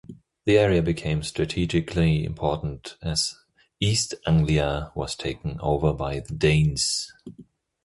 The area became strategically important as East Anglia was taken over by the Danes.